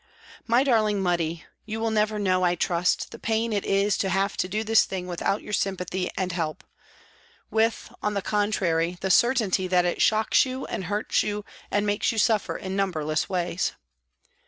My darling Muddy, you will never know, I trust, the pain it is to have to do this thing without your sympathy and help with, on the contrary, the certainty that it shocks you and hurts you and makes you suffer in numberless ways.